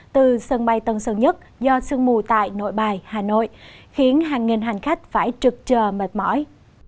từ sân bay tân sơn nhất do sương mù tại nội bài hà nội khiến hàng nghìn hành khách phải trực chờ mệt mỏi